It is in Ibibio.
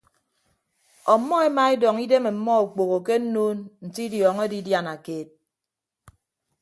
Ọmmọ emaedọñ idem ọmmọ okpoho ke nnuun nte idiọñọ edidiana keet.